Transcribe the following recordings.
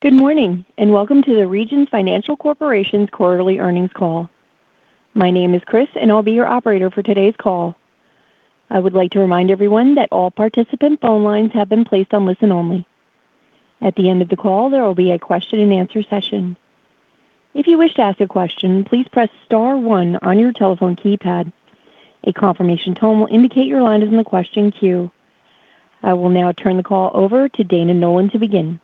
Good morning and welcome to the Regions Financial Corporation's quarterly earnings call. My name is Chris and I'll be your operator for today's call. I would like to remind everyone that all participant phone lines have been placed on listen-only. At the end of the call, there will be a question and answer session. If you wish to ask a question, please press star one on your telephone keypad. A confirmation tone will indicate your line is in the question queue. I will now turn the call over to Dana Nolan to begin.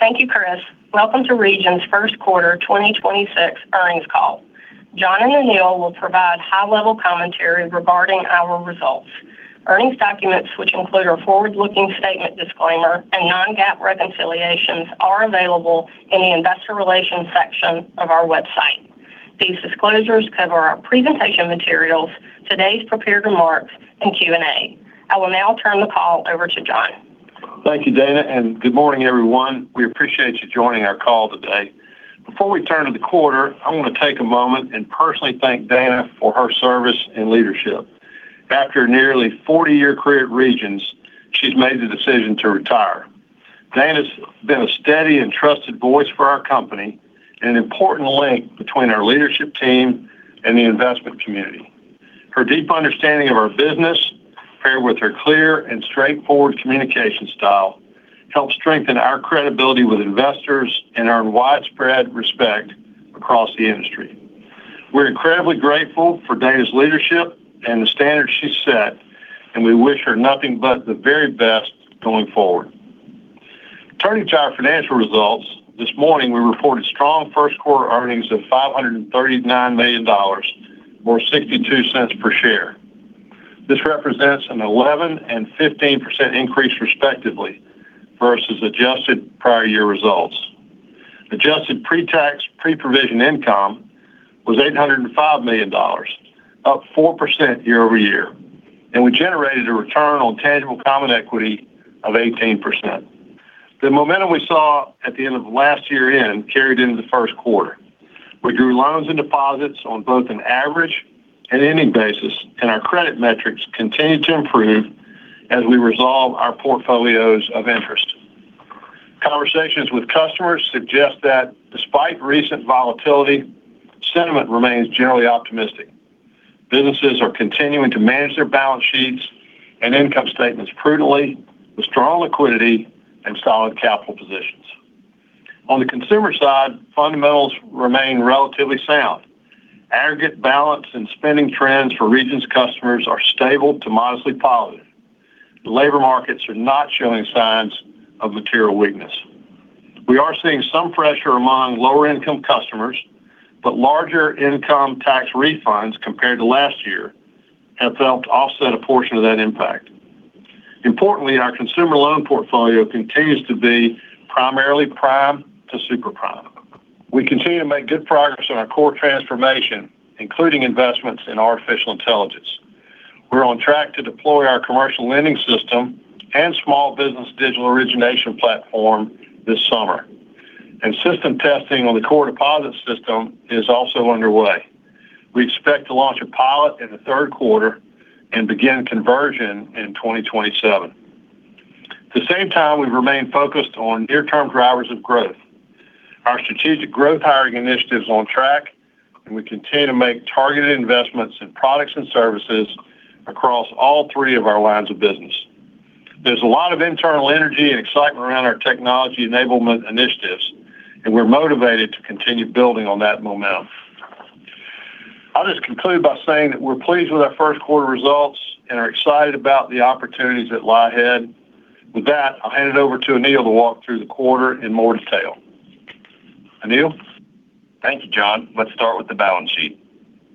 Thank you, Chris. Welcome to Regions' first quarter 2026 earnings call. John and Anil will provide high-level commentary regarding our results. Earnings documents, which include our forward-looking statement disclaimer and non-GAAP reconciliations, are available in the Investor Relations section of our website. These disclosures cover our presentation materials, today's prepared remarks and Q&A. I will now turn the call over to John. Thank you, Dana and good morning, everyone. We appreciate you joining our call today. Before we turn to the quarter, I want to take a moment and personally thank Dana for her service and leadership. After a nearly 40-year career at Regions, she's made the decision to retire. Dana's been a steady and trusted voice for our company and an important link between our leadership team and the investment community. Her deep understanding of our business, paired with her clear and straightforward communication style, helped strengthen our credibility with investors and earn widespread respect across the industry. We're incredibly grateful for Dana's leadership and the standard she set and we wish her nothing but the very best going forward. Turning to our financial results, this morning, we reported strong first-quarter earnings of $539 million, or $0.62 per share. This represents an 11% and 15% increase, respectively, versus adjusted prior year results. Adjusted pre-tax, pre-provision income was $805 million, up 4% year-over-year and we generated a return on tangible common equity of 18%. The momentum we saw at the end of last year-end carried into the first quarter. We grew loans and deposits on both an average and ending basis and our credit metrics continue to improve as we resolve our portfolios of interest. Conversations with customers suggest that despite recent volatility, sentiment remains generally optimistic. Businesses are continuing to manage their balance sheets and income statements prudently with strong liquidity and solid capital positions. On the consumer side, fundamentals remain relatively sound. Aggregate balance and spending trends for Regions customers are stable to modestly positive. The labor markets are not showing signs of material weakness. We are seeing some pressure among lower-income customers, but larger income tax refunds compared to last year have helped offset a portion of that impact. Importantly, our consumer loan portfolio continues to be primarily prime to super prime. We continue to make good progress on our core transformation, including investments in artificial intelligence. We're on track to deploy our commercial lending system and small business digital origination platform this summer and system testing on the core deposit system is also underway. We expect to launch a pilot in the third quarter and begin conversion in 2027. At the same time, we remain focused on near-term drivers of growth. Our strategic growth hiring initiative is on track and we continue to make targeted investments in products and services across all three of our lines of business. There's a lot of internal energy and excitement around our technology enablement initiatives and we're motivated to continue building on that momentum. I'll just conclude by saying that we're pleased with our first quarter results and are excited about the opportunities that lie ahead. With that, I'll hand it over to Anil to walk through the quarter in more detail. Anil? Thank you, John. Let's start with the balance sheet.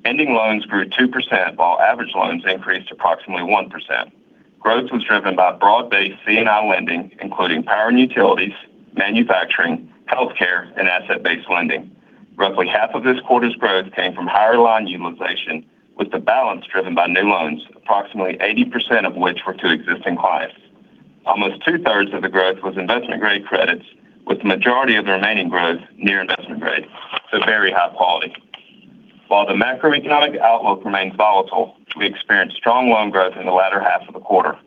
Ending loans grew 2%, while average loans increased approximately 1%. Growth was driven by broad-based C&I lending, including power and utilities, manufacturing, healthcare and asset-based lending. Roughly half of this quarter's growth came from higher loan utilization, with the balance driven by new loans, approximately 80% of which were to existing clients. Almost two-thirds of the growth was investment-grade credits, with the majority of the remaining growth near investment grade, so very high quality. While the macroeconomic outlook remains volatile, we experienced strong loan growth in the latter half of the quarter.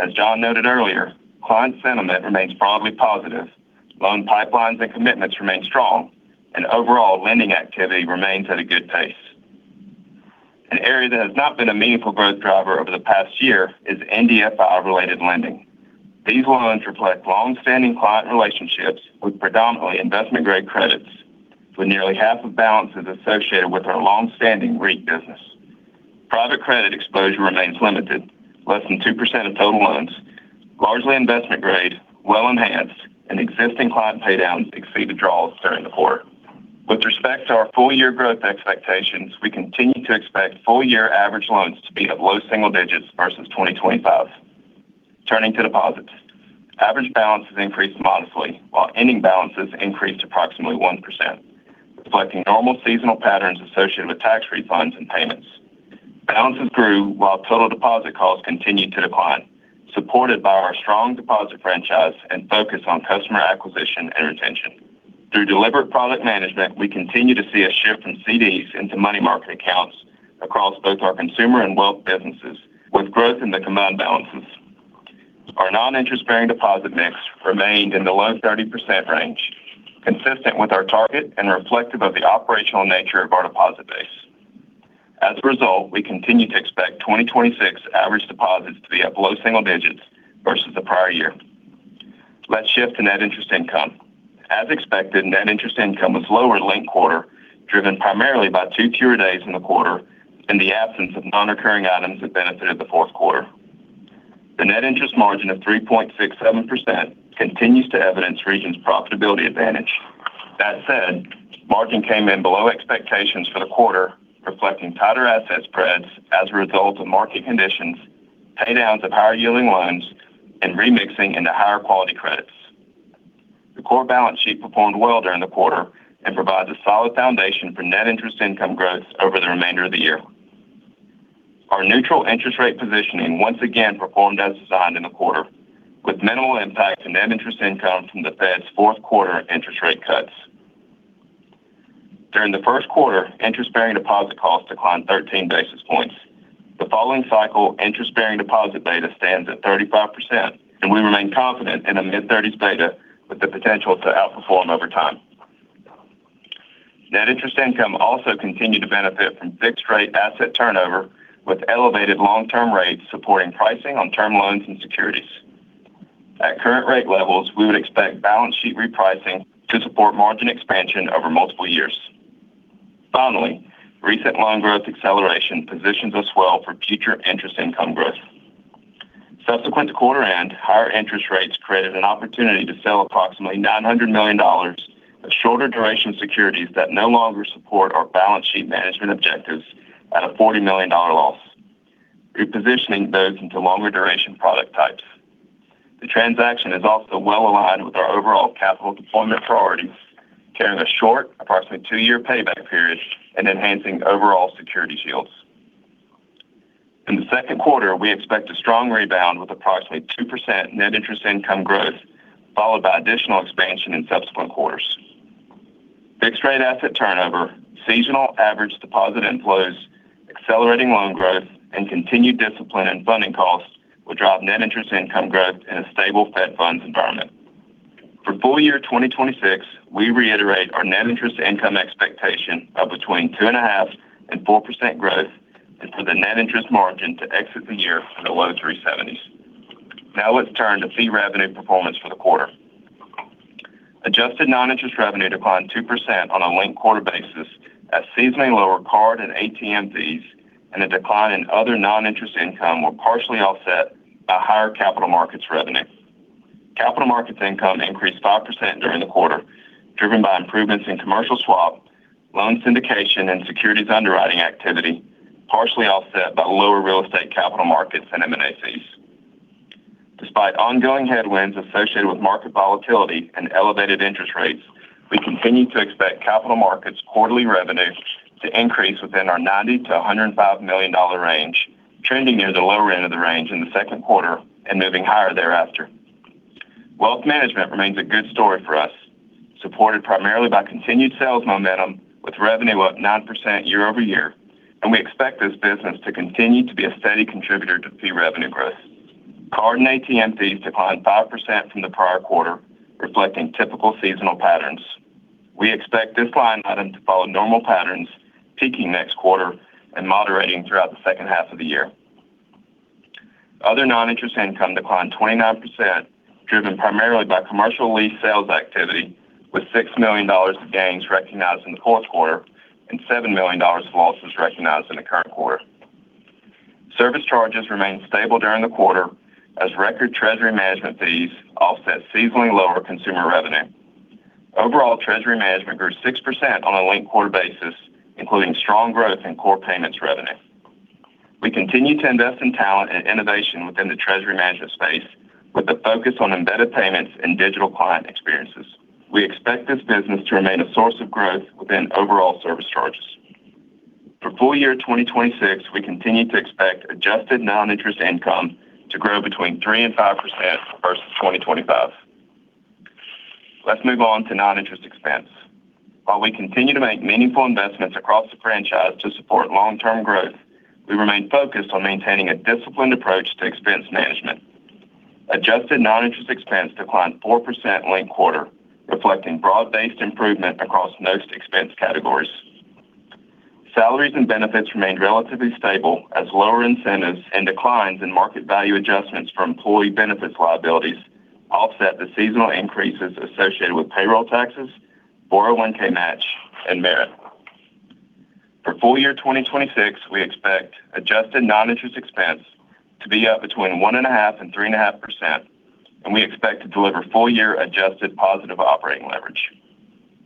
As John noted earlier, client sentiment remains broadly positive, loan pipelines and commitments remain strong and overall lending activity remains at a good pace. An area that has not been a meaningful growth driver over the past year is NBFI-related lending. These loans reflect long-standing client relationships with predominantly investment-grade credits, with nearly half of balances associated with our long-standing REIT business. Private credit exposure remains limited. Less than 2% of total loans, largely investment grade, well enhanced and existing client pay-downs exceed withdrawals during the quarter. With respect to our full-year growth expectations, we continue to expect full-year average loans to be at low single digits versus 2025. Turning to deposits. Average balances increased modestly, while ending balances increased approximately 1%, reflecting normal seasonal patterns associated with tax refunds and payments. Balances grew while total deposit costs continued to decline, supported by our strong deposit franchise and focus on customer acquisition and retention. Through deliberate product management, we continue to see a shift from CDs into money market accounts across both our consumer and wealth businesses. Let's end the comment on balances. Our non-interest-bearing deposit mix remained in the low 30% range, consistent with our target and reflective of the operational nature of our deposit base. As a result, we continue to expect 2026 average deposits to be up low single digits versus the prior year. Let's shift to net interest income. As expected, net interest income was lower linked-quarter, driven primarily by two fewer days in the quarter and the absence of non-recurring items that benefited the fourth quarter. The net interest margin of 3.67% continues to evidence Regions' profitability advantage. That said, margin came in below expectations for the quarter, reflecting tighter asset spreads as a result of market conditions, pay downs of higher yielding loans and remixing into higher quality credits. The core balance sheet performed well during the quarter and provides a solid foundation for net interest income growth over the remainder of the year. Our neutral interest rate positioning once again performed as designed in the quarter, with minimal impact to net interest income from the Fed's fourth quarter interest rate cuts. During the first quarter, interest-bearing deposit costs declined 13 basis points. The following cycle, interest-bearing deposit beta stands at 35% and we remain confident in a mid-thirties beta with the potential to outperform over time. Net interest income also continued to benefit from fixed rate asset turnover with elevated long-term rates supporting pricing on term loans and securities. At current rate levels, we would expect balance sheet repricing to support margin expansion over multiple years. Finally, recent loan growth acceleration positions us well for future interest income growth. Subsequent to quarter end, higher interest rates created an opportunity to sell approximately $900 million of shorter duration securities that no longer support our balance sheet management objectives at a $40 million loss, repositioning those into longer duration product types. The transaction is also well aligned with our overall capital deployment priorities, carrying a short, approximately two-year payback period and enhancing overall security yields. In the second quarter, we expect a strong rebound with approximately 2% net interest income growth, followed by additional expansion in subsequent quarters. Fixed rate asset turnover, seasonal average deposit inflows, accelerating loan growth and continued discipline in funding costs will drive net interest income growth in a stable Fed Funds environment. For full year 2026, we reiterate our net interest income expectation of between 2.5% and 4% growth and for the net interest margin to exit the year in the low 3.70s. Now let's turn to fee revenue performance for the quarter. Adjusted non-interest revenue declined 2% on a linked-quarter basis as seasonally lower card and ATM fees and a decline in other non-interest income were partially offset by higher capital markets revenue. Capital markets income increased 5% during the quarter, driven by improvements in commercial swap, loan syndication and securities underwriting activity, partially offset by lower real estate capital markets and M&A fees. Despite ongoing headwinds associated with market volatility and elevated interest rates, we continue to expect capital markets' quarterly revenue to increase within our $90 million-$105 million range, trending near the lower end of the range in the second quarter and moving higher thereafter. Wealth management remains a good story for us, supported primarily by continued sales momentum, with revenue up 9% year-over-year and we expect this business to continue to be a steady contributor to fee revenue growth. Card and ATM fees declined 5% from the prior quarter, reflecting typical seasonal patterns. We expect this line item to follow normal patterns, peaking next quarter and moderating throughout the second half of the year. Other non-interest income declined 29%, driven primarily by commercial lease sales activity with $6 million of gains recognized in the fourth quarter and $7 million of losses recognized in the current quarter. Service charges remained stable during the quarter as record treasury management fees offset seasonally lower consumer revenue. Overall, treasury management grew 6% on a linked-quarter basis, including strong growth in core payments revenue. We continue to invest in talent and innovation within the treasury management space with a focus on embedded payments and digital client experiences. We expect this business to remain a source of growth within overall service charges. For full year 2026, we continue to expect adjusted non-interest income to grow between 3%-5% versus 2025. Let's move on to non-interest expense. While we continue to make meaningful investments across the franchise to support long-term growth, we remain focused on maintaining a disciplined approach to expense management. Adjusted non-interest expense declined 4% linked quarter, reflecting broad-based improvement across most expense categories. Salaries and benefits remained relatively stable as lower incentives and declines in market value adjustments for employee benefits liabilities offset the seasonal increases associated with payroll taxes, 401(k) match and merit. For full year 2026, we expect adjusted non-interest expense to be up between 1.5% and 3.5% and we expect to deliver full year adjusted positive operating leverage.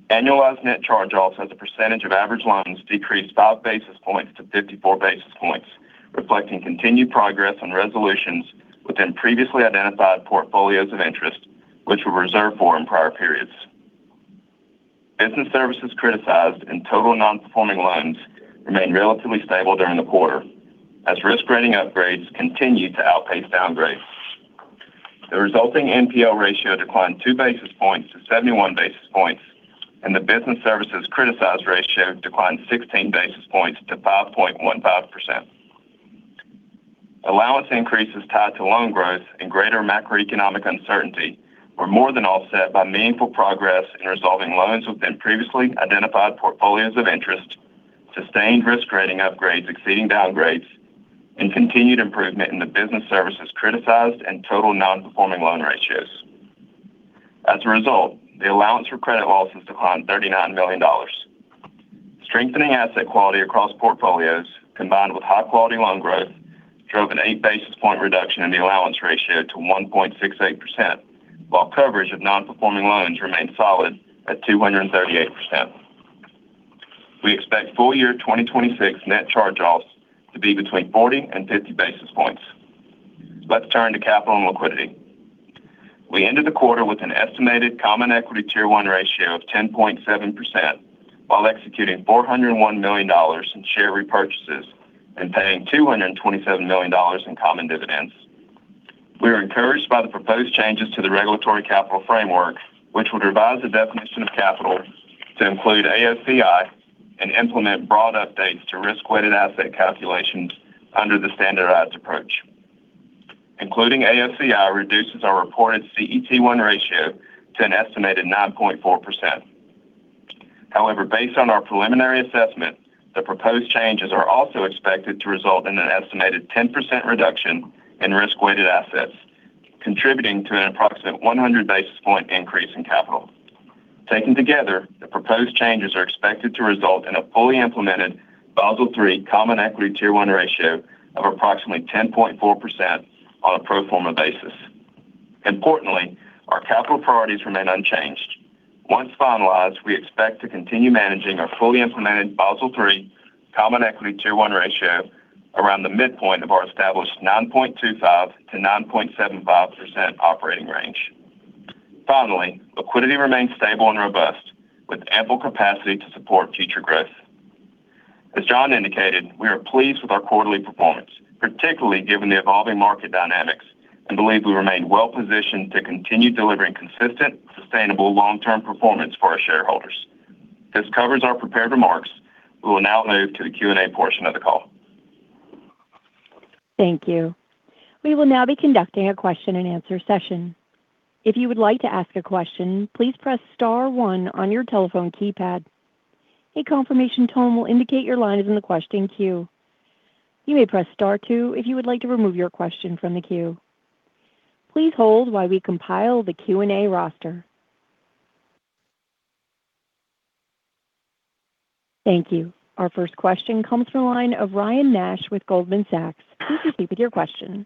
Annualized net charge-offs as a percentage of average loans decreased 5 basis points to 54 basis points, reflecting continued progress on resolutions within previously identified portfolios of interest, which were reserved for in prior periods. Business services criticized and total non-performing loans remained relatively stable during the quarter as risk rating upgrades continued to outpace downgrades. The resulting NPL ratio declined 2 basis points to 71 basis points and the business services criticized ratio declined 16 basis points to 5.15%. Allowance increases tied to loan growth and greater macroeconomic uncertainty were more than offset by meaningful progress in resolving loans within previously identified portfolios of interest, sustained risk rating upgrades exceeding downgrades and continued improvement in the business services criticized and total non-performing loan ratios. As a result, the allowance for credit losses declined $39 million. Strengthening asset quality across portfolios, combined with high-quality loan growth, drove an 8-basis-point reduction in the allowance ratio to 1.68%, while coverage of non-performing loans remained solid at 238%. We expect full-year 2026 net charge-offs to be between 40 and 50 basis points. Let's turn to capital and liquidity. We ended the quarter with an estimated common equity Tier 1 ratio of 10.7%, while executing $401 million in share repurchases and paying $227 million in common dividends. We are encouraged by the proposed changes to the regulatory capital framework, which would revise the definition of capital to include AOCI and implement broad updates to risk-weighted asset calculations under the standardized approach. Including AOCI reduces our reported CET1 ratio to an estimated 9.4%. However, based on our preliminary assessment, the proposed changes are also expected to result in an estimated 10% reduction in risk-weighted assets, contributing to an approximate 100 basis point increase in capital. Taken together, the proposed changes are expected to result in a fully implemented Basel III common equity Tier 1 ratio of approximately 10.4% on a pro forma basis. Importantly, our capital priorities remain unchanged. Once finalized, we expect to continue managing our fully implemented Basel III common equity Tier 1 ratio around the midpoint of our established 9.25%-9.75% operating range. Finally, liquidity remains stable and robust with ample capacity to support future growth. As John indicated, we are pleased with our quarterly performance, particularly given the evolving market dynamics and believe we remain well positioned to continue delivering consistent, sustainable long-term performance for our shareholders. This covers our prepared remarks. We will now move to the Q&A portion of the call. Thank you. We will now be conducting a question and answer session. If you would like to ask a question, please press star one on your telephone keypad. A confirmation tone will indicate your line is in the question queue. You may press star two if you would like to remove your question from the queue. Please hold while we compile the Q&A roster. Thank you. Our first question comes from the line of Ryan Nash with Goldman Sachs. Please proceed with your question.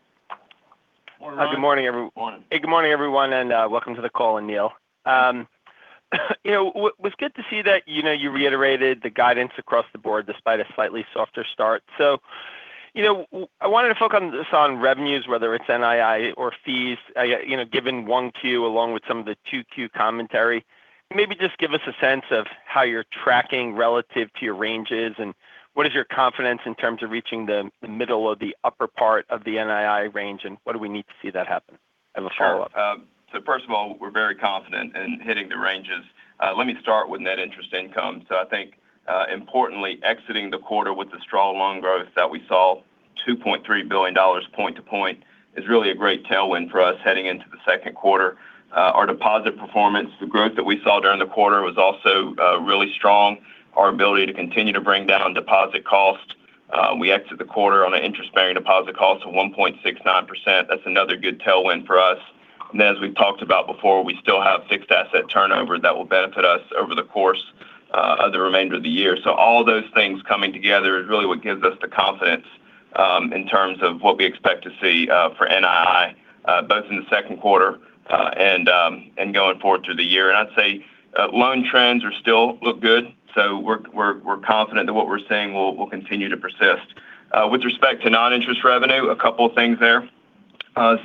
Morning, Ryan. Good morning, everyone. Morning. Hey, good morning, everyone and welcome to the call, Anil. It was good to see that you reiterated the guidance across the board despite a slightly softer start. I wanted to focus on revenues, whether it's NII or fees, given 1Q along with some of the 2Q commentary. Can you maybe just give us a sense of how you're tracking relative to your ranges and what is your confidence in terms of reaching the middle or the upper part of the NII range and what do we need to see that happen? I have a follow-up. First of all, we're very confident in hitting the ranges. Let me start with net interest income. I think, importantly, exiting the quarter with the strong loan growth that we saw, $2.3 billion point-to-point, is really a great tailwind for us heading into the second quarter. Our deposit performance, the growth that we saw during the quarter, was also really strong. Our ability to continue to bring down deposit costs. We exited the quarter on an interest-bearing deposit cost of 1.69%. That's another good tailwind for us. As we've talked about before, we still have fixed asset turnover that will benefit us over the course of the remainder of the year. All those things coming together is really what gives us the confidence in terms of what we expect to see for NII, both in the second quarter and going forward through the year. I'd say loan trends still look good. We're confident that what we're seeing will continue to persist. With respect to non-interest revenue, a couple of things there. First,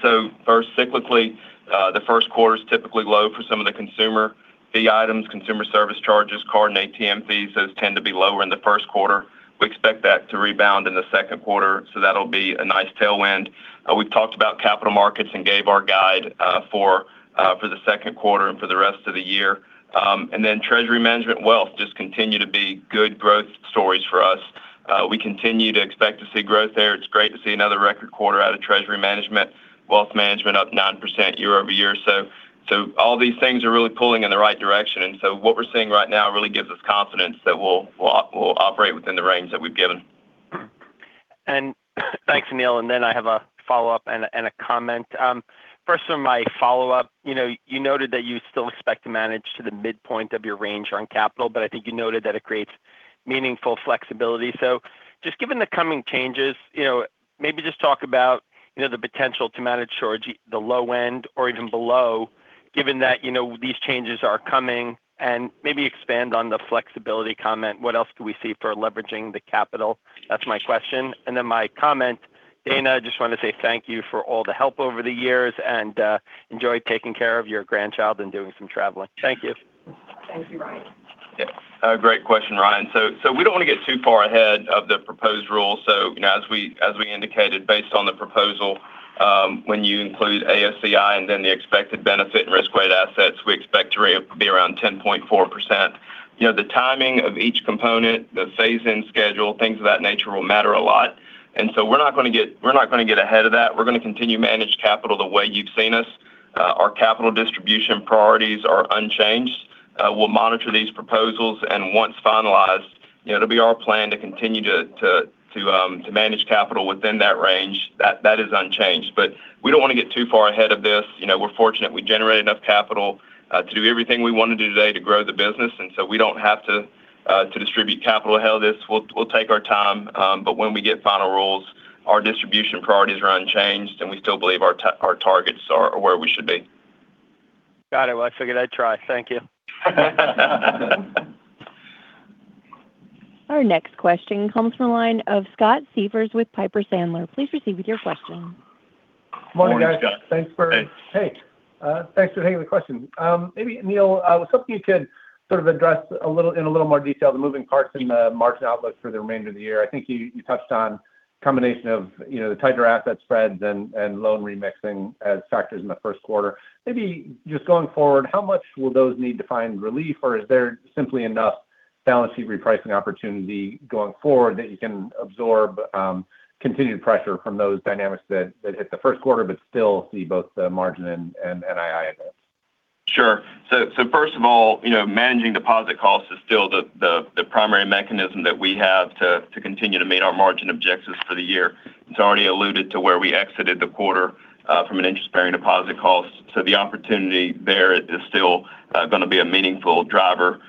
cyclically, the first quarter is typically low for some of the consumer fee items, consumer service charges, card and ATM fees. Those tend to be lower in the first quarter. We expect that to rebound in the second quarter, so that'll be a nice tailwind. We've talked about capital markets and gave our guide for the second quarter and for the rest of the year. Then Treasury Management wealth just continue to be good growth stories for us. We continue to expect to see growth there. It's great to see another record quarter out of Treasury Management. Wealth Management up 9% year-over-year. All these things are really pulling in the right direction. What we're seeing right now really gives us confidence that we'll operate within the range that we've given. Thanks, Anil. Then I have a follow-up and a comment. First on my follow-up, you noted that you still expect to manage to the midpoint of your range on capital, but I think you noted that it creates meaningful flexibility. Just given the coming changes, maybe just talk about the potential to manage towards the low end or even below, given that these changes are coming and maybe expand on the flexibility comment. What else could we see for leveraging the capital? That's my question. Then my comment. Dana, I just want to say thank you for all the help over the years and enjoy taking care of your grandchild and doing some traveling. Thank you. Thank you, Ryan. Yeah. Great question, Ryan. We don't want to get too far ahead of the proposed rule. As we indicated, based on the proposal, when you include AOCI and then the expected benefit and risk-weighted assets, we expect to be around 10.4%. The timing of each component, the phase-in schedule, things of that nature will matter a lot and so we're not going to get ahead of that. We're going to continue to manage capital the way you've seen us. Our capital distribution priorities are unchanged. We'll monitor these proposals and once finalized, it'll be our plan to continue to manage capital within that range. That is unchanged. We don't want to get too far ahead of this. We're fortunate. We generate enough capital to do everything we want to do today to grow the business. We don't have to distribute capital ahead of this. We'll take our time. When we get final rules, our distribution priorities are unchanged and we still believe our targets are where we should be. Got it. Well, I figured I'd try. Thank you. Our next question comes from the line of Scott Siefers with Piper Sandler. Please proceed with your question. Morning, Scott. Morning, guys. Thanks. Hey. Thanks for taking the question. Maybe Anil, I was hoping you could sort of address in a little more detail the moving parts in the margin outlook for the remainder of the year. I think you touched on combination of the tighter asset spreads and loan remixing as factors in the first quarter. Maybe just going forward, how much will those need to find relief, or is there simply enough balance sheet repricing opportunity going forward that you can absorb continued pressure from those dynamics that hit the first quarter but still see both the margin and NII in this? Sure. First of all, managing deposit costs is still the primary mechanism that we have to continue to meet our margin objectives for the year. It's already alluded to where we exited the quarter from an interest-bearing deposit cost. The opportunity there is still going to be a meaningful driver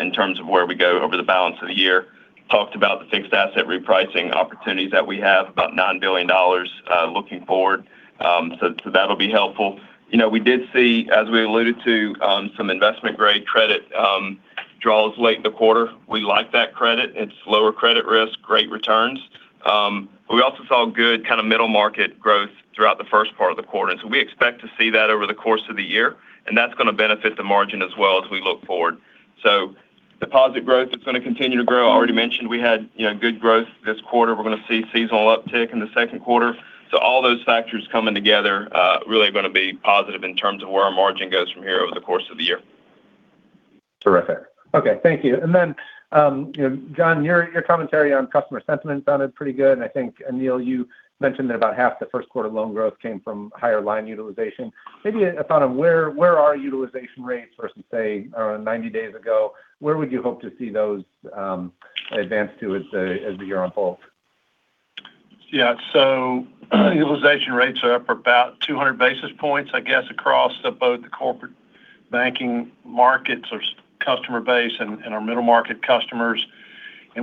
in terms of where we go over the balance of the year. Talked about the fixed asset repricing opportunities that we have, about $9 billion looking forward. That'll be helpful. We did see, as we alluded to, some investment-grade credit draws late in the quarter. We like that credit. It's lower credit risk, great returns. But we also saw good kind of middle market growth throughout the first part of the quarter. We expect to see that over the course of the year and that's going to benefit the margin as well as we look forward. Deposit growth is going to continue to grow. I already mentioned we had good growth this quarter. We're going to see seasonal uptick in the second quarter. All those factors coming together really are going to be positive in terms of where our margin goes from here over the course of the year. Terrific. Okay. Thank you. John, your commentary on customer sentiment sounded pretty good. I think, Anil, you mentioned that about half the first quarter loan growth came from higher line utilization. Maybe a thought on where are utilization rates versus, say, 90 days ago. Where would you hope to see those advance to as the year unfolds? Yeah. Utilization rates are up for about 200 basis points, I guess, across both the corporate banking markets or customer base and our middle-market customers.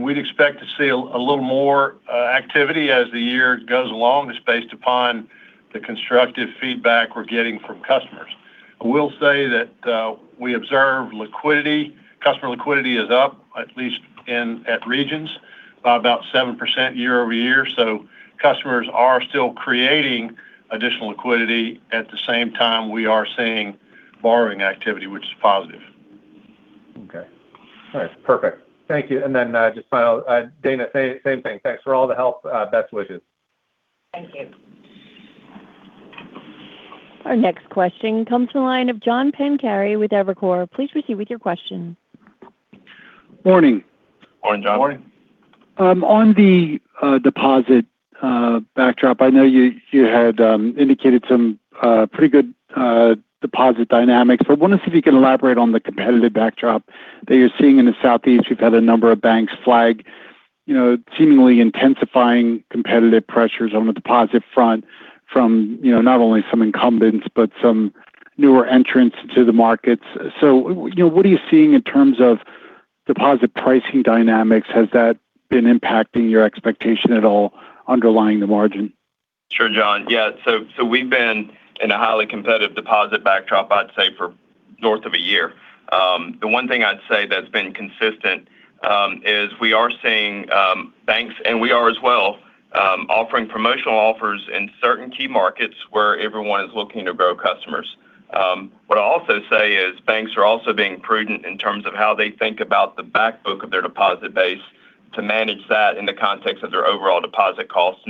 We'd expect to see a little more activity as the year goes along. It's based upon the constructive feedback we're getting from customers. I will say that we observe liquidity. Customer liquidity is up, at least in Regions, by about 7% year-over-year. Customers are still creating additional liquidity. At the same time, we are seeing borrowing activity, which is positive. Okay. All right. Perfect. Thank you. Just final, Dana, same thing. Thanks for all the help. Best wishes. Thank you. Our next question comes to the line of John Pancari with Evercore ISI. Please proceed with your question. Morning. Morning, John. Morning. On the deposit backdrop, I know you had indicated some pretty good deposit dynamics, but I want to see if you can elaborate on the competitive backdrop that you're seeing in the Southeast. You've had a number of banks flag seemingly intensifying competitive pressures on the deposit front from not only some incumbents, but some newer entrants to the markets. What are you seeing in terms of deposit pricing dynamics? Has that been impacting your expectation at all underlying the margin? Sure, John. Yeah. We've been in a highly competitive deposit backdrop, I'd say for north of a year. The one thing I'd say that's been consistent is we are seeing banks and we are as well, offering promotional offers in certain key markets where everyone is looking to grow customers. What I'll also say is banks are also being prudent in terms of how they think about the back book of their deposit base to manage that in the context of their overall deposit costs.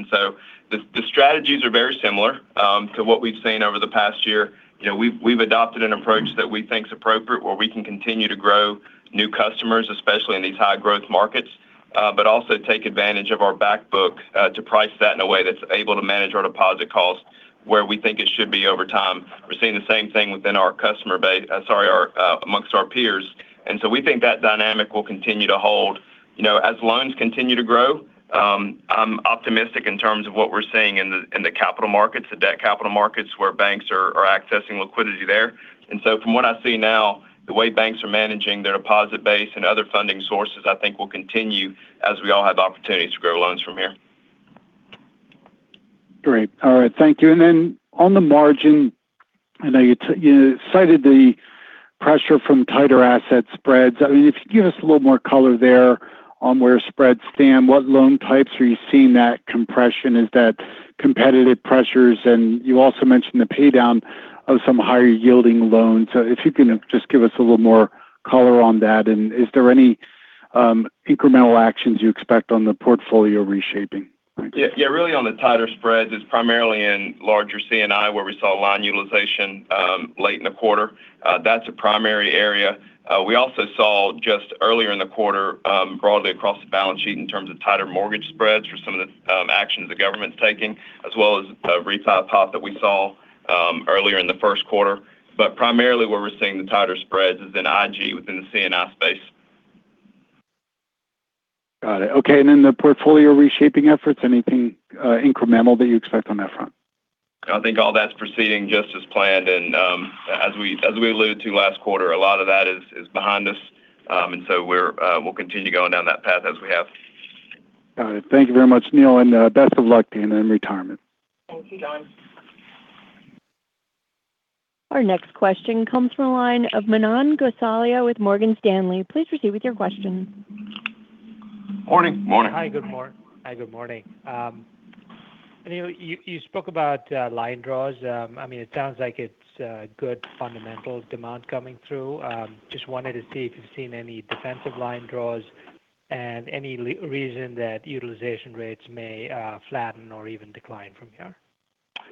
The strategies are very similar to what we've seen over the past year. We've adopted an approach that we think is appropriate where we can continue to grow new customers, especially in these high-growth markets. Also take advantage of our back book to price that in a way that's able to manage our deposit cost where we think it should be over time. We're seeing the same thing among our peers. We think that dynamic will continue to hold. As loans continue to grow, I'm optimistic in terms of what we're seeing in the capital markets, the debt capital markets where banks are accessing liquidity there. From what I see now, the way banks are managing their deposit base and other funding sources, I think will continue as we all have opportunities to grow loans from here. Great. All right. Thank you. On the margin, I know you cited the pressure from tighter asset spreads. If you could give us a little more color there. On where spreads stand, what loan types are you seeing that compression? Is that competitive pressures? You also mentioned the pay-down of some higher-yielding loans. If you can just give us a little more color on that and is there any incremental actions you expect on the portfolio reshaping? Thank you. Yeah. Really on the tighter spreads, it's primarily in larger C&I where we saw line utilization late in the quarter. That's a primary area. We also saw just earlier in the quarter, broadly across the balance sheet in terms of tighter mortgage spreads for some of the action the government's taking, as well as refi, too, that we saw earlier in the first quarter. Primarily where we're seeing the tighter spreads is in IG within the C&I space. Got it. Okay and in the portfolio reshaping efforts, anything incremental that you expect on that front? I think all that's proceeding just as planned and as we alluded to last quarter, a lot of that is behind us. We'll continue going down that path as we have. Got it. Thank you very much, Anil and best of luck to you in retirement. Thank you, John. Our next question comes from the line of Manan Gosalia with Morgan Stanley. Please proceed with your question. Morning. Morning. Hi, good morning. Anil, you spoke about line draws. It sounds like it's good fundamental demand coming through. Just wanted to see if you've seen any defensive line draws and any reason that utilization rates may flatten or even decline from here.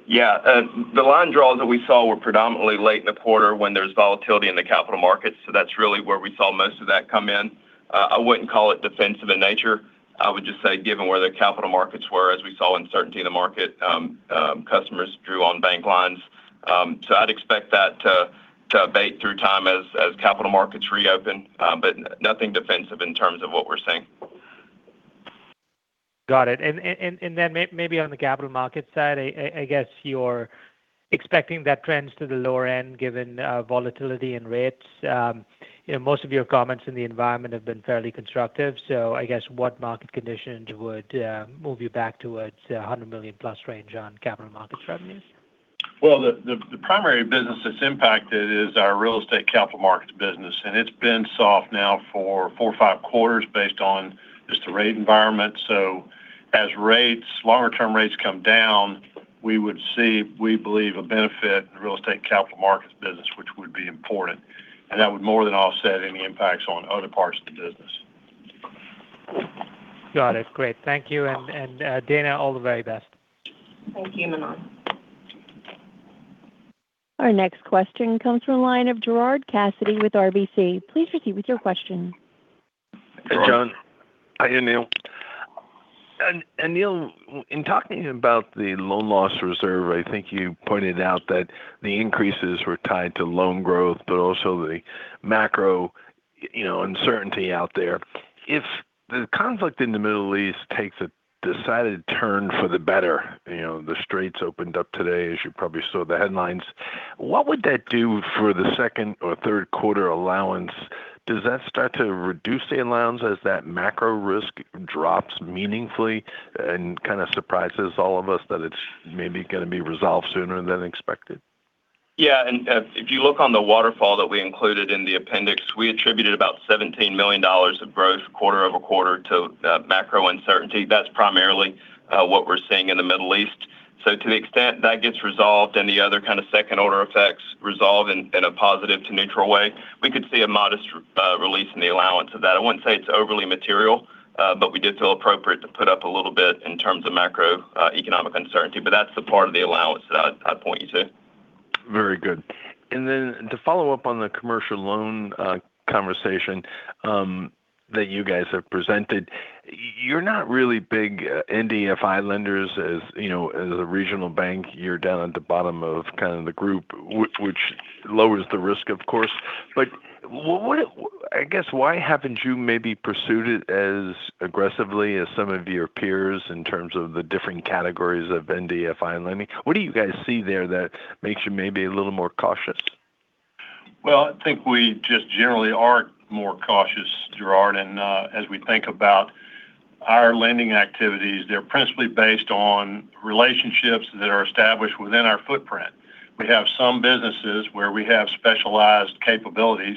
Yeah. The line draws that we saw were predominantly late in the quarter when there's volatility in the capital markets, so that's really where we saw most of that come in. I wouldn't call it defensive in nature. I would just say given where the capital markets were, as we saw uncertainty in the market, customers drew on bank lines. I'd expect that to abate through time as capital markets reopen, but nothing defensive in terms of what we're seeing. Got it. Maybe on the capital markets side, I guess you're expecting that trends to the lower end given volatility and rates. Most of your comments in the environment have been fairly constructive. I guess what market conditions would move you back towards the $100 million-plus range on capital markets revenues? Well, the primary business that's impacted is our real estate capital markets business and it's been soft now for four or five quarters based on just the rate environment. As longer term rates come down, we would see, we believe, a benefit in real estate capital markets business, which would be important and that would more than offset any impacts on other parts of the business. Got it. Great. Thank you. Dana, all the very best. Thank you, Manan. Our next question comes from the line of Gerard Cassidy with RBC Capital Markets. Please proceed with your question. Hey, John. Hi, Anil. Anil, in talking about the loan loss reserve, I think you pointed out that the increases were tied to loan growth, but also the macro uncertainty out there. If the conflict in the Middle East takes a decided turn for the better, the straits opened up today, as you probably saw the headlines, what would that do for the second or third quarter allowance? Does that start to reduce the allowance as that macro risk drops meaningfully and kind of surprises all of us that it's maybe going to be resolved sooner than expected? Yeah. If you look on the waterfall that we included in the appendix, we attributed about $17 million of growth quarter-over-quarter to macro uncertainty. That's primarily what we're seeing in the Middle East. To the extent that gets resolved and the other kind of second-order effects resolve in a positive to neutral way, we could see a modest release in the allowance of that. I wouldn't say it's overly material, but we did feel appropriate to put up a little bit in terms of macroeconomic uncertainty. That's the part of the allowance that I'd point you to. Very good. Then to follow up on the commercial loan conversation that you guys have presented, you're not really big NBFI lenders as a regional bank. You're down at the bottom of kind of the group, which lowers the risk, of course. I guess why haven't you maybe pursued it as aggressively as some of your peers in terms of the different categories of NBFI lending? What do you guys see there that makes you maybe a little more cautious? I think we just generally are more cautious, Gerard, as we think about our lending activities. They're principally based on relationships that are established within our footprint. We have some businesses where we have specialized capabilities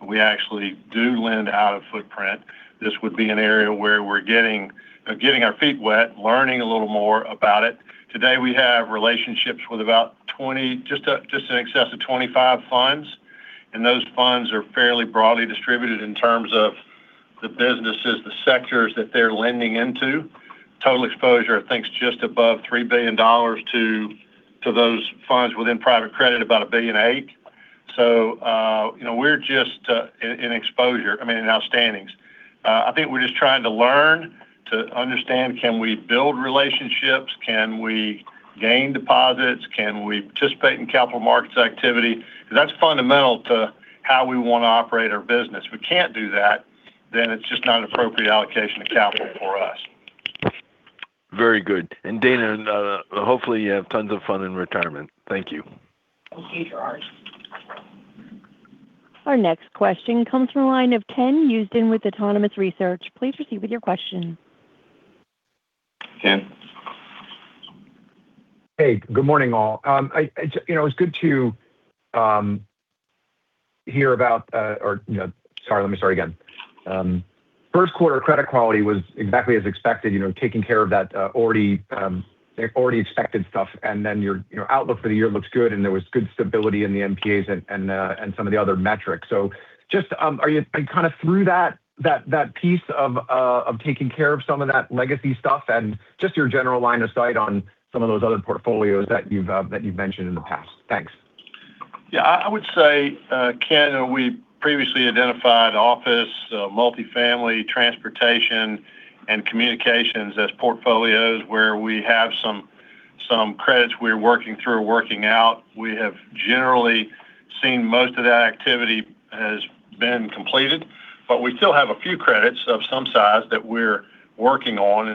and we actually do lend out of footprint. This would be an area where we're getting our feet wet, learning a little more about it. Today, we have relationships with about just in excess of 25 funds and those funds are fairly broadly distributed in terms of the businesses, the sectors that they're lending into. Total exposure, I think, is just above $3 billion to those funds within private credit, about $1.8 billion. So we're just in exposure, I mean, in outstanding's. I think we're just trying to learn to understand, can we build relationships? Can we gain deposits? Can we participate in capital markets activity? Because that's fundamental to how we want to operate our business. If we can't do that, then it's just not an appropriate allocation of capital for us. Very good. Dana, hopefully you have tons of fun in retirement. Thank you. Thank you, Gerard. Our next question comes from the line of Ken Usdin with Autonomous Research. Please proceed with your question. Hey, good morning, all. First quarter credit quality was exactly as expected, taking care of that already expected stuff. Then your outlook for the year looks good and there was good stability in the NPAs and some of the other metrics. Just, are you kind of through that piece of taking care of some of that legacy stuff and just your general line of sight on some of those other portfolios that you've mentioned in the past? Thanks. Yeah, I would say, Ken, we previously identified office, multifamily, transportation and communications as portfolios where we have some credits we're working through or working out. We have generally seen most of that activity has been completed, but we still have a few credits of some size that we're working on.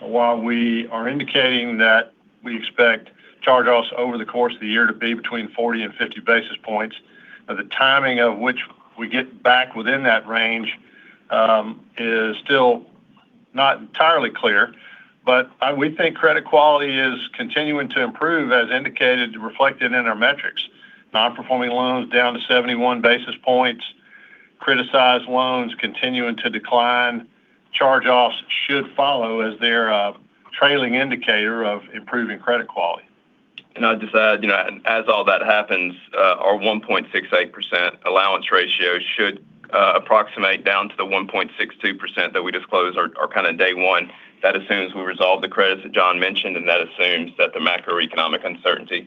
While we are indicating that we expect charge-offs over the course of the year to be between 40-50 basis points, the timing of which we get back within that range is still not entirely clear. We think credit quality is continuing to improve as indicated, reflected in our metrics, non-performing loans down to 71 basis points, criticized loans continuing to decline. Charge-offs should follow as they're a trailing indicator of improving credit quality. I'd just add, as all that happens, our 1.68% allowance ratio should approximate down to the 1.62% that we disclose our kind of day one. That assumes we resolve the credits that John mentioned and that assumes that the macroeconomic uncertainty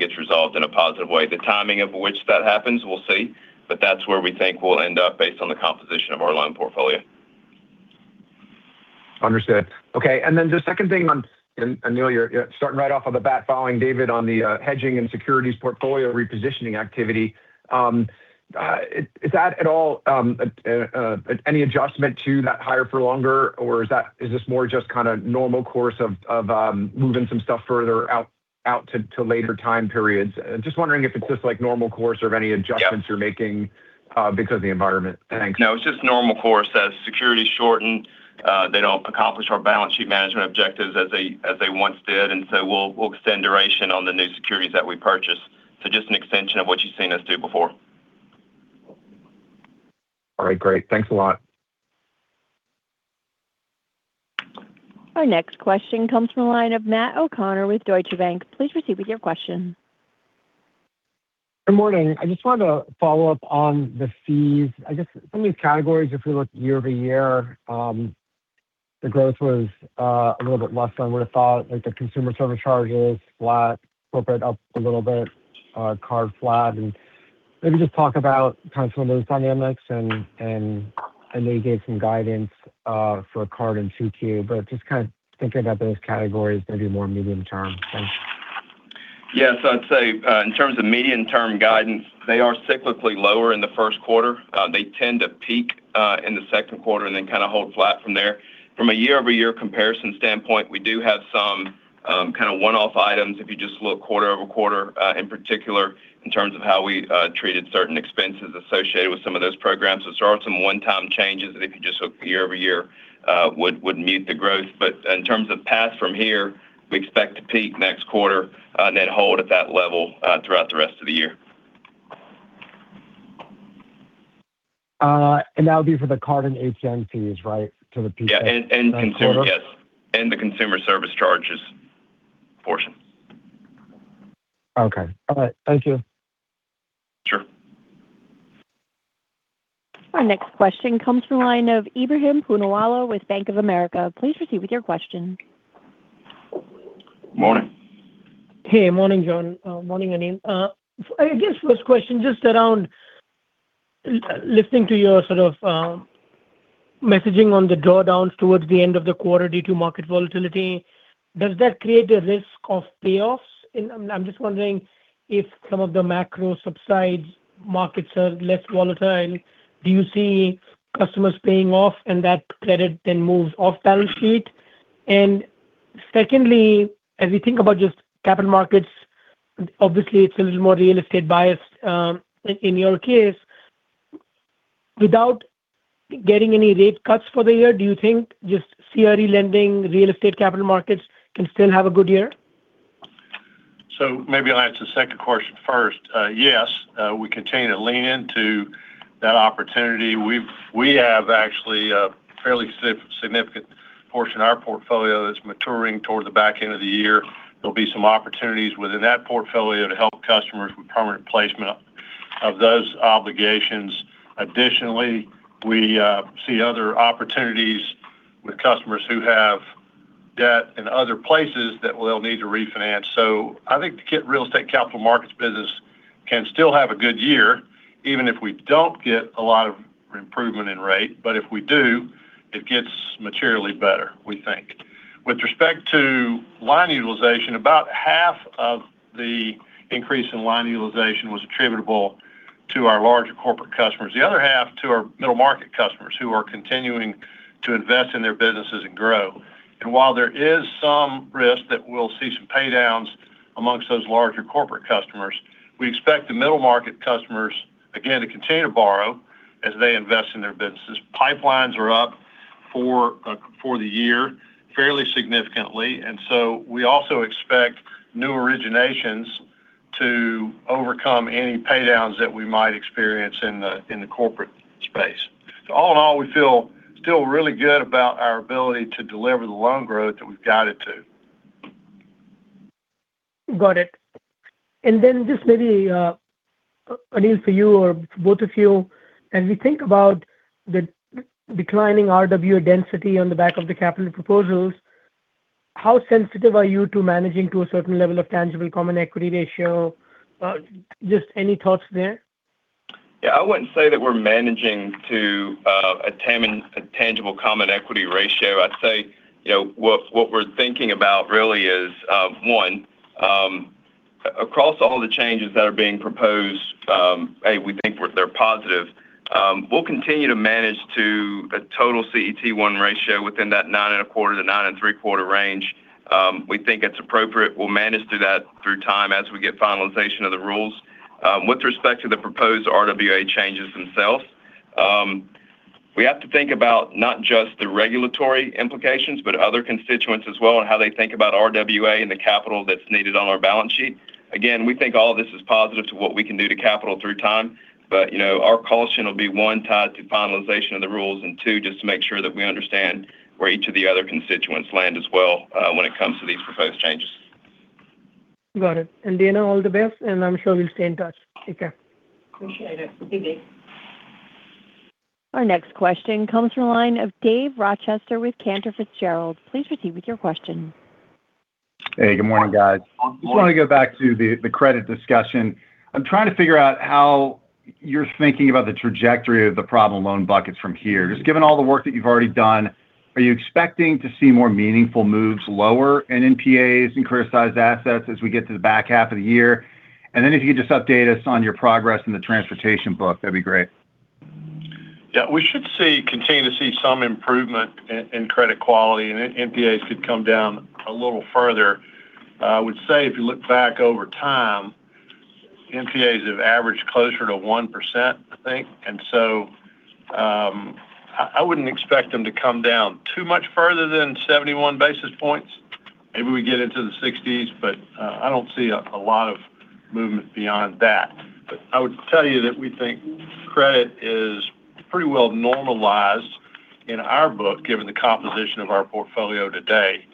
gets resolved in a positive way. The timing of which that happens, we'll see. That's where we think we'll end up based on the composition of our loan portfolio. Understood. Okay, the second thing on, Anil, you're starting right off of the bat following David on the hedging and securities portfolio repositioning activity. Is that at all any adjustment to that higher for longer? Or is this more just kind of normal course of moving some stuff further out to later time periods? Just wondering if it's just like normal course of any adjustments you're making because of the environment. Thanks. No, it's just normal course. As securities shorten, they don't accomplish our balance sheet management objectives as they once did. We'll extend duration on the new securities that we purchase. Just an extension of what you've seen us do before. All right, great. Thanks a lot. Our next question comes from the line of Matthew O'Connor with Deutsche Bank. Please proceed with your question. Good morning. I just wanted to follow up on the fees. I guess some of these categories, if we look year-over-year, the growth was a little bit less than I would've thought. Like the consumer service charges flat, corporate up a little bit, card flat. Maybe just talk about kind of some of those dynamics and maybe give some guidance for card in 2Q. Just kind of thinking about those categories maybe more medium term. Thanks. Yes, I'd say in terms of medium-term guidance, they are cyclically lower in the first quarter. They tend to peak in the second quarter and then kind of hold flat from there. From a year-over-year comparison standpoint, we do have some kind of one-off items if you just look quarter-over-quarter, in particular, in terms of how we treated certain expenses associated with some of those programs. There are some one-time changes that if you just look year over year would mute the growth. In terms of path from here, we expect to peak next quarter and then hold at that level throughout the rest of the year. That would be for the card and ATM fees, right? For the peak quarter? Consumer, yes. The consumer service charges portion. Okay. All right. Thank you. Sure. Our next question comes from the line of Ebrahim Poonawala with Bank of America. Please proceed with your question. Morning. Hey. Morning, John. Morning, Anil. I guess first question, just around listening to your sort of messaging on the drawdowns towards the end of the quarter due to market volatility. Does that create a risk of payoffs? I'm just wondering if some of the macro subsides markets are less volatile, do you see customers paying off and that credit then moves off balance sheet? Secondly, as we think about just capital markets, obviously it's a little more real estate biased, in your case. Without getting any rate cuts for the year, do you think just CRE lending real estate capital markets can still have a good year? Maybe I'll answer the second question first. Yes, we continue to lean into that opportunity. We have actually a fairly significant portion of our portfolio that's maturing toward the back end of the year. There'll be some opportunities within that portfolio to help customers with permanent placement of those obligations. Additionally, we see other opportunities with customers who have debt in other places that they'll need to refinance. I think the real estate capital markets business can still have a good year even if we don't get a lot of improvement in rate. If we do, it gets materially better, we think. With respect to line utilization, about half of the increase in line utilization was attributable to our larger corporate customers. The other half to our middle market customers who are continuing to invest in their businesses and grow. While there is some risk that we'll see some paydowns amongst those larger corporate customers, we expect the middle market customers again, to continue to borrow as they invest in their businesses. Pipelines are up for the year fairly significantly. We also expect new originations to overcome any paydowns that we might experience in the corporate space. All in all, we feel really good about our ability to deliver the loan growth that we've guided to. Got it. Just maybe, Anil, for you or both of you, as we think about the declining RWA density on the back of the capital proposals, how sensitive are you to managing to a certain level of tangible common equity ratio? Just any thoughts there? I wouldn't say that we're managing to attain a tangible common equity ratio. I'd say what we're thinking about really is, one, across all the changes that are being proposed, we think they're positive. We'll continue to manage to a total CET1 ratio within that 9.25%-9.75% range. We think it's appropriate. We'll manage through that through time as we get finalization of the rules. With respect to the proposed RWA changes themselves, we have to think about not just the regulatory implications, but other constituents as well and how they think about RWA and the capital that's needed on our balance sheet. Again, we think all of this is positive to what we can do to capital through time. Our caution will be, one, tied to finalization of the rules and two, just to make sure that we understand where each of the other constituents land as well when it comes to these proposed changes. Got it. Dana, all the best and I'm sure we'll stay in touch. Take care. Appreciate it. Thank you. Our next question comes from the line of Dave Rochester with Cantor Fitzgerald. Please proceed with your question. Hey, good morning, guys. Good morning. Just want to go back to the credit discussion. I'm trying to figure out how you're thinking about the trajectory of the problem loan buckets from here. Just given all the work that you've already done, are you expecting to see more meaningful moves lower in NPAs and criticized assets as we get to the back half of the year? If you could just update us on your progress in the transportation book, that'd be great. Yeah, we should continue to see some improvement in credit quality and NPAs could come down a little further. I would say if you look back over time, NPAs have averaged closer to 1%, I think. I wouldn't expect them to come down too much further than 71 basis points. Maybe we get into the 60s, but I don't see a lot of movement beyond that. I would tell you that we think credit is pretty well normalized in our book, given the composition of our portfolio today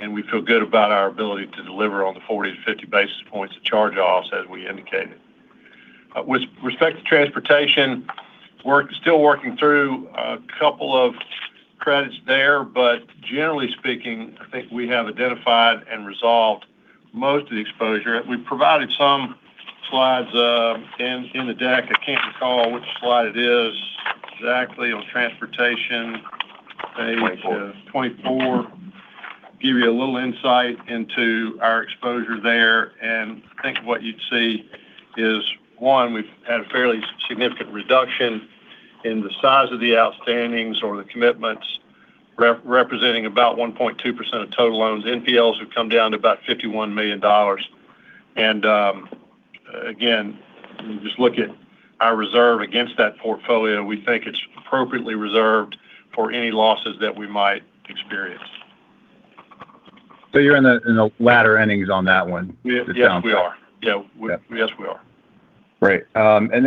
and we feel good about our ability to deliver on the 40-50 basis points of charge-offs, as we indicated. With respect to transportation, we're still working through a couple of credits there, but generally speaking, I think we have identified and resolved most of the exposure. We provided some slides in the deck. I can't recall which slide it is exactly on transportation. Twenty four. Give you a little insight into our exposure there. I think what you'd see is, one, we've had a fairly significant reduction in the size of the outstanding's or the commitments representing about 1.2% of total loans. NPLs have come down to about $51 million. Again, when you just look at our reserve against that portfolio, we think it's appropriately reserved for any losses that we might experience. You're in the latter innings on that one. It sounds like. Yes, we are. Great.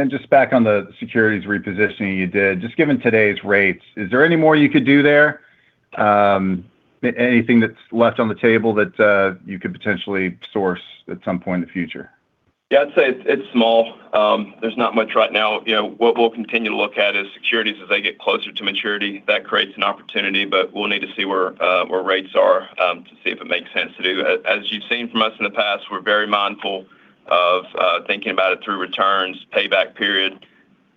Just back on the securities repositioning you did, just given today's rates, is there any more you could do there? Anything that's left on the table that you could potentially source at some point in the future? Yeah, I'd say it's small. There's not much right now. What we'll continue to look at is securities as they get closer to maturity. That creates an opportunity, but we'll need to see where rates are to see if it makes sense to do. As you've seen from us in the past, we're very mindful of thinking about it through returns, payback period.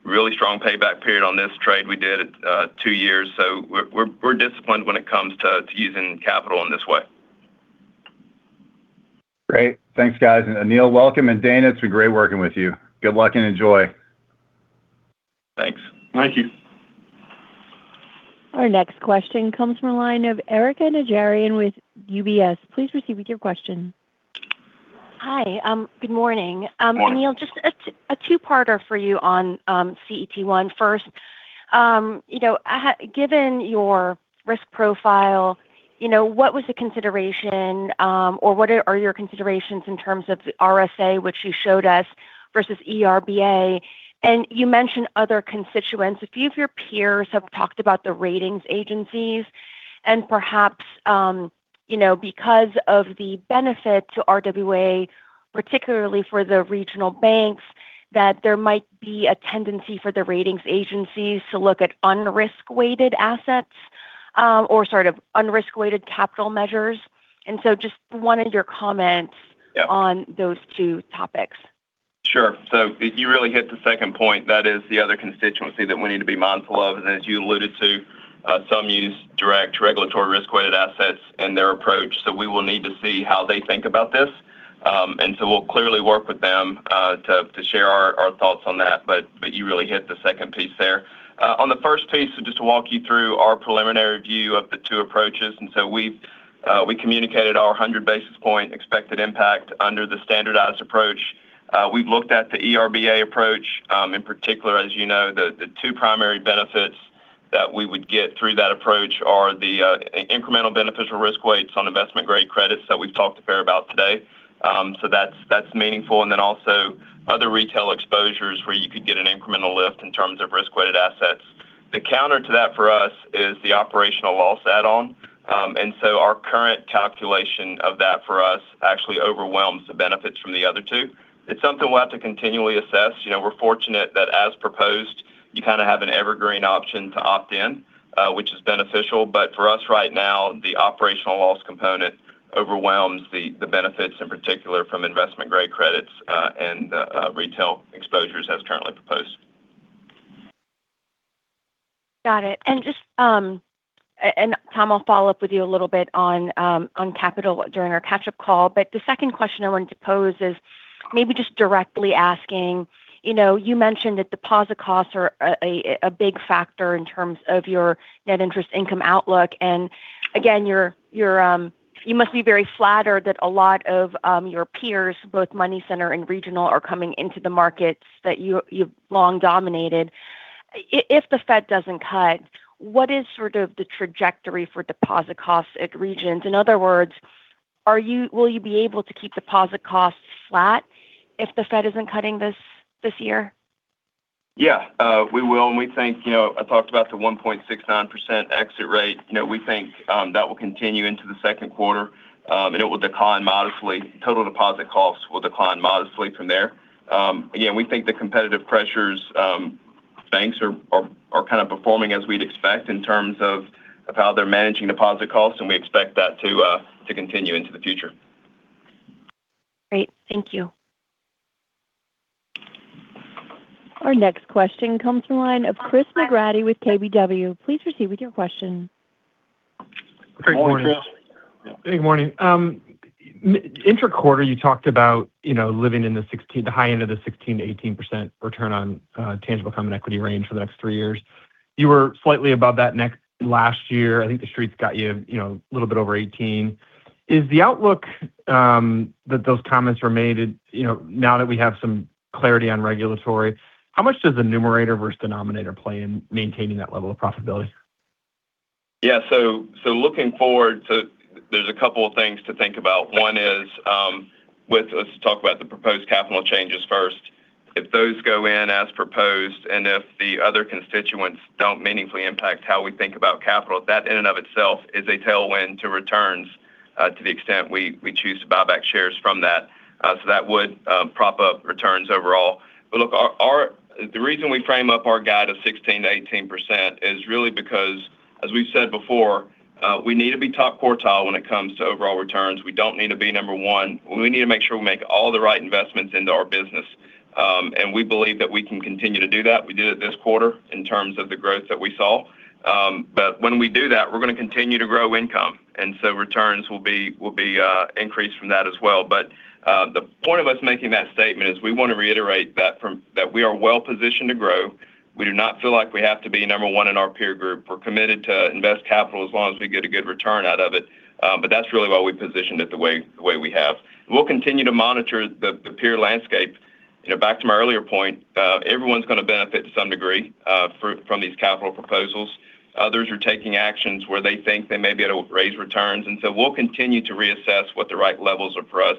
Really strong payback period on this trade we did at two years. We're disciplined when it comes to using capital in this way. Great. Thanks, guys. Anil, welcome. Dana, it's been great working with you. Good luck and enjoy. Thanks. Thank you. Our next question comes from the line of Erika Najarian with UBS. Please proceed with your question. Hi, good morning. Morning. Anil, just a two-parter for you on CET1. First, given your risk profile, what was the consideration or what are your considerations in terms of the SA, which you showed us versus ERBA? You mentioned other constituents. A few of your peers have talked about the ratings agencies and perhaps because of the benefit to RWA, particularly for the regional banks, that there might be a tendency for the ratings agencies to look at un-risk weighted assets or sort of un-risk weighted capital measures. Just wanted your comments on those two topics. Sure. You really hit the second point. That is the other constituency that we need to be mindful of. As you alluded to, some use direct regulatory risk-weighted assets in their approach. We will need to see how they think about this. We'll clearly work with them to share our thoughts on that. You really hit the second piece there. On the first piece, just to walk you through our preliminary view of the two approaches. We communicated our 100 basis point expected impact under the standardized approach. We've looked at the ERBA approach. In particular, as you know, the two primary benefits that we would get through that approach are the incremental beneficial risk weights on investment-grade credits that we've talked a fair amount about today. That's meaningful. Also other retail exposures where you could get an incremental lift in terms of risk-weighted assets. The counter to that for us is the operational loss add on. Our current calculation of that for us actually overwhelms the benefits from the other two. It's something we'll have to continually assess. We're fortunate that as proposed, you kind of have an evergreen option to opt in, which is beneficial. For us right now, the operational loss component overwhelms the benefits, in particular from investment-grade credits and retail exposures as currently proposed. Got it. Tom, I'll follow up with you a little bit on capital during our catch up call. The second question I wanted to pose is maybe just directly asking, you mentioned that deposit costs are a big factor in terms of your net interest income outlook. Again, you must be very flattered that a lot of your peers, both money center and regional, are coming into the markets that you've long dominated. If the Fed doesn't cut, what is sort of the trajectory for deposit costs at Regions? In other words, will you be able to keep deposit costs flat if the Fed isn't cutting this year? Yeah. We will. I talked about the 1.69% exit rate. We think that will continue into the second quarter and it will decline modestly. Total deposit costs will decline modestly from there. Again, we think the competitive pressures, banks are kind of performing as we'd expect in terms of how they're managing deposit costs and we expect that to continue into the future. Great. Thank you. Our next question comes from the line of Chris McGratty with KBW. Please proceed with your question. Good morning, Chris. Good morning. In the quarter, you talked about living in the high end of the 16%-18% return on tangible common equity range for the next three years. You were slightly above that last year. I think the Street's got you a little bit over 18%. Is the outlook that those comments were made, now that we have some clarity on regulatory, how much does the numerator versus denominator play in maintaining that level of profitability? Yeah. Looking forward, there's a couple of things to think about. One is, let's talk about the proposed capital changes first. If those go in as proposed and if the other constituents don't meaningfully impact how we think about capital, that in and of itself is a tailwind to returns to the extent we choose to buy back shares from that. That would prop up returns overall. Look, the reason we frame up our guide of 16%-18% is really because, as we've said before, we need to be top quartile when it comes to overall returns. We don't need to be number one. We need to make sure we make all the right investments into our business. We believe that we can continue to do that. We did it this quarter in terms of the growth that we saw. When we do that, we're going to continue to grow income and so returns will be increased from that as well. The point of us making that statement is we want to reiterate that we are well-positioned to grow. We do not feel like we have to be number one in our peer group. We're committed to invest capital as long as we get a good return out of it. That's really why we positioned it the way we have. We'll continue to monitor the peer landscape. Back to my earlier point, everyone's going to benefit to some degree from these capital proposals. Others are taking actions where they think they may be able to raise returns. We'll continue to reassess what the right levels are for us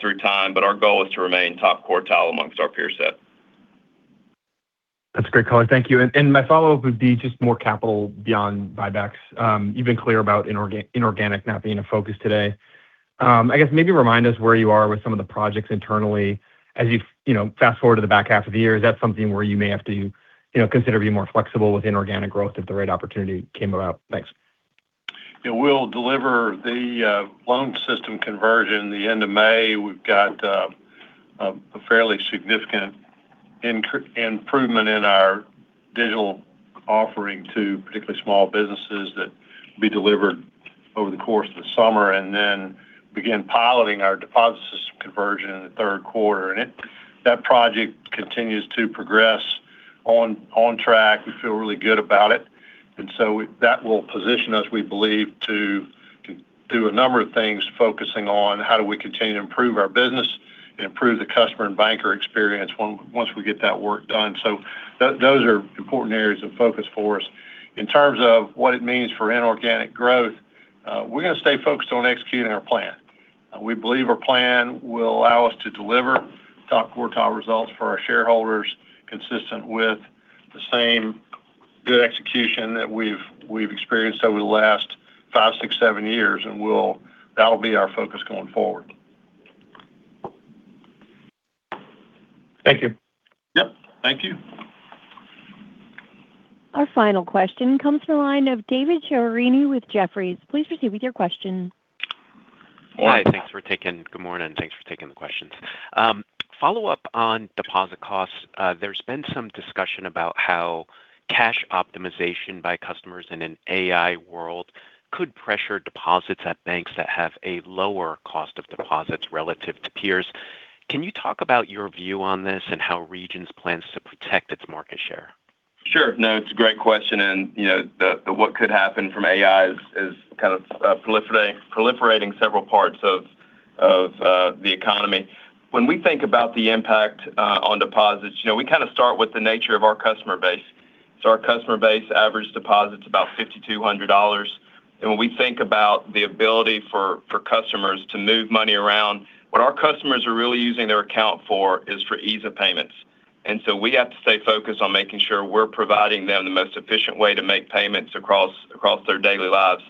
through time. Our goal is to remain top quartile amongst our peer set. That's a great color. Thank you. My follow-up would be just more capital beyond buybacks. You've been clear about inorganic not being a focus today. I guess maybe remind us where you are with some of the projects internally as you fast-forward to the back half of the year. Is that something where you may have to consider to be more flexible with inorganic growth if the right opportunity came about? Thanks. We'll deliver the loan system conversion the end of May. We've got a fairly significant improvement in our digital offering to particularly small businesses that will be delivered over the course of the summer and then begin piloting our deposit system conversion in the third quarter. That project continues to progress on track. We feel really good about it. That will position us, we believe, to do a number of things focusing on how do we continue to improve our business and improve the customer and banker experience once we get that work done. Those are important areas of focus for us. In terms of what it means for inorganic growth, we're going to stay focused on executing our plan. We believe our plan will allow us to deliver top quartile results for our shareholders, consistent with the same good execution that we've experienced over the last five, six, seven years and that'll be our focus going forward. Thank you. Yep, thank you. Our final question comes from the line of David Chiaverini with Jefferies. Please proceed with your question. Good morning. Thanks for taking the questions. Follow-up on deposit costs. There's been some discussion about how cash optimization by customers in an AI world could pressure deposits at banks that have a lower cost of deposits relative to peers. Can you talk about your view on this and how Regions plans to protect its market share? Sure. No, it's a great question and the what could happen from AI is kind of proliferating several parts of the economy. When we think about the impact on deposits, we kind of start with the nature of our customer base. Our customer base average deposit's about $5,200. When we think about the ability for customers to move money around, what our customers are really using their account for is for ease of payments. We have to stay focused on making sure we're providing them the most efficient way to make payments across their daily lives.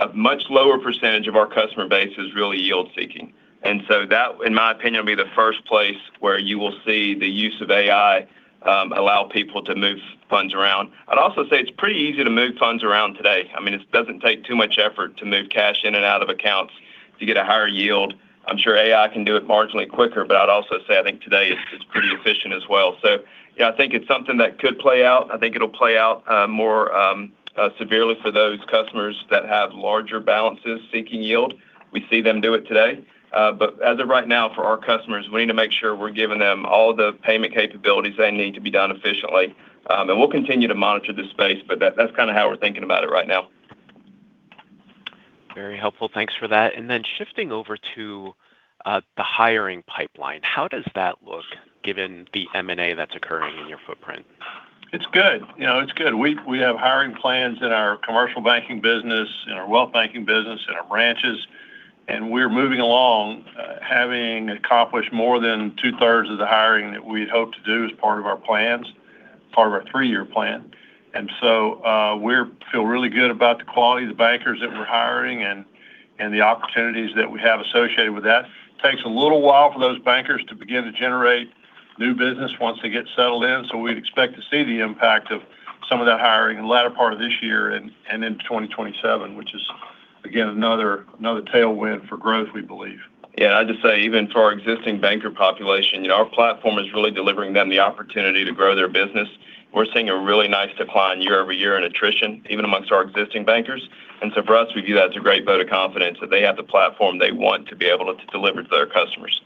A much lower percentage of our customer base is really yield seeking. That, in my opinion, will be the first place where you will see the use of AI allow people to move funds around. I'd also say it's pretty easy to move funds around today. It doesn't take too much effort to move cash in and out of accounts to get a higher yield. I'm sure AI can do it marginally quicker, but I'd also say I think today it's pretty efficient as well. Yeah, I think it's something that could play out. I think it'll play out more severely for those customers that have larger balances seeking yield. We see them do it today. As of right now, for our customers, we need to make sure we're giving them all the payment capabilities they need to be done efficiently. We'll continue to monitor this space, but that's kind of how we're thinking about it right now. Very helpful. Thanks for that. Shifting over to the hiring pipeline, how does that look given the M&A that's occurring in your footprint? It's good. We have hiring plans in our commercial banking business, in our wealth banking business, in our branches and we're moving along, having accomplished more than two-thirds of the hiring that we'd hoped to do as part of our plans, part of our three-year plan. We feel really good about the quality of the bankers that we're hiring and the opportunities that we have associated with that. Takes a little while for those bankers to begin to generate new business once they get settled in. We'd expect to see the impact of some of that hiring in the latter part of this year and into 2027, which is, again, another tailwind for growth, we believe. Yeah, I'd just say even for our existing banker population, our platform is really delivering them the opportunity to grow their business. We're seeing a really nice decline year-over-year in attrition, even among our existing bankers. For us, we view that as a great vote of confidence that they have the platform they want to be able to deliver to their customers.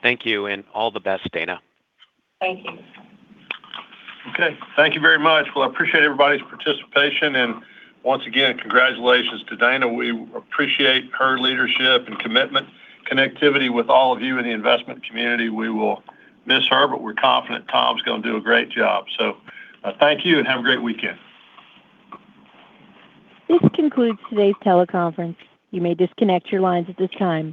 Thank you and all the best, Dana. Thank you. Okay. Thank you very much. Well, I appreciate everybody's participation. Once again, congratulations to Dana. We appreciate her leadership and commitment, connectivity with all of you in the investment community. We will miss her, but we're confident Tom's going to do a great job. Thank you and have a great weekend. This concludes today's teleconference. You may disconnect your lines at this time.